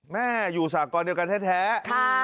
แม่อยู่สากรเดียวกันแท้แม่ค่ะ